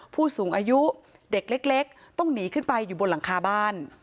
ผู้สูงอายุเด็กเล็กต้องหนีขึ้นไปอยู่บนหลังคาบ้าน